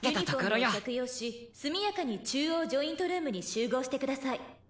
「ビブスユニホームを着用し速やかに中央ジョイントルームに集合してください」